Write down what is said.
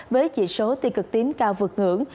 với chỉ số tiêu cực tím cao vượt ngưỡng